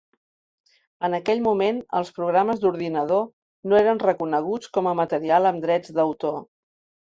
En aquell moment, els programes d'ordinador no eren reconeguts com a material amb drets d'autor.